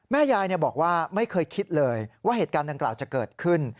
แม่ยายบอกว่าไม่เคยคิดเลยว่าเหตุการณ์ดังกล่าวจะเกิดขึ้น